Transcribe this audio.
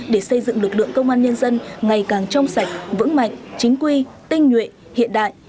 để xây dựng lực lượng công an nhân dân ngày càng trong sạch vững mạnh chính quy tinh nhuệ hiện đại